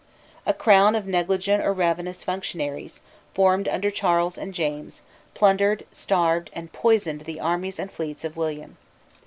A crowd of negligent or ravenous functionaries, formed under Charles and James, plundered, starved, and poisoned the armies and fleets of William.